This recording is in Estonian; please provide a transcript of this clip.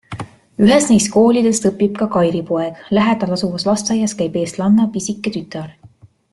Ühes neist koolidest õpib ka Kairi poeg, lähedal asuvas lasteaias käib eestlanna pisike tütar.